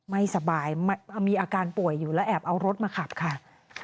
ไม่สบายมีอาการป่วยอยู่แล้วแอบเอารถมาขับค่ะ